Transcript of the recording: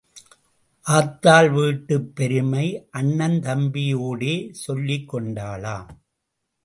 ஆத்தாள் வீட்டுப் பெருமை அண்ணன் தம்பியோடே சொல்லிக் கொண்டாளாம்.